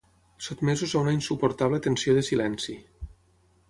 Sotmesos a una insuportable tensió de silenci.